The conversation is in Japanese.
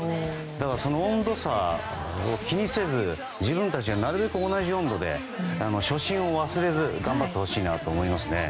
だから、温度差を気にせず自分たちがなるべく同じ温度で初心を忘れず頑張ってほしいなと思いますね。